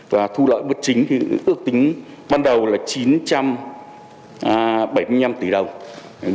và thu lợi bất chính ước tính ban đầu là chín trăm bảy mươi năm tỷ đồng